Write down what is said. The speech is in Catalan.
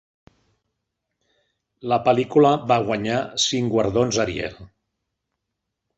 La pel·lícula va guanyar cinc guardons Ariel.